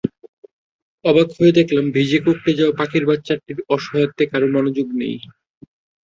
অবাক হয়ে দেখলাম, ভিজে কুঁকড়ে যাওয়া পাখির বাচ্চাটির অসহায়ত্বে কারও মনোযোগ নেই।